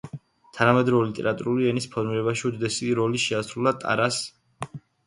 თანამედროვე ლიტერატურული ენის ფორმირებაში უდიდესი როლი შეასრულა ტარას შევჩენკოს შემოქმედებამ.